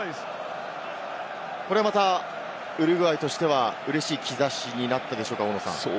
これはまたウルグアイとしてはうれしい兆しになったでしょうか。